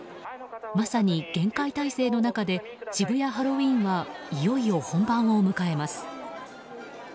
まさに厳戒態勢の中で渋谷ハロウィーンはいよいよ、本番を迎えます。